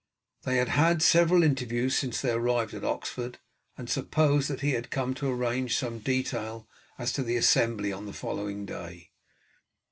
They had had several interviews since they arrived at Oxford, and supposed that he had come to arrange some detail as to the assembly on the following day.